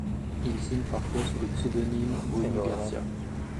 Il signe parfois sous le pseudonyme Bruno Garcia.